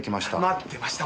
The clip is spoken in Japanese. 待ってました。